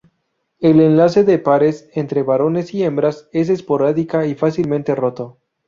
El enlace de pares entre varones y hembras es esporádica y fácilmente roto.